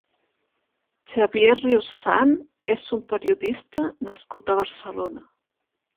Xavier Rius Sant és un periodista nascut a Barcelona.